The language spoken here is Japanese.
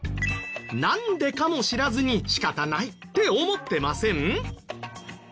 なんでかも知らずに「仕方ない」って思ってません？